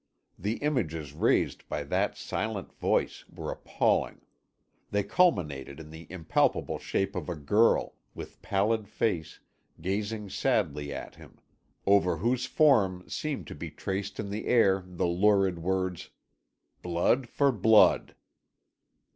The images raised by that, silent voice were appalling. They culminated in the impalpable shape of a girl, with pallid face, gazing sadly at him, over whose form seemed to be traced in the air the lurid words, "Blood For Blood!"